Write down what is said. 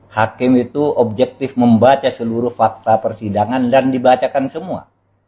hakim itu objektif membaca seluruh fakta persidangan dan dibacakan semua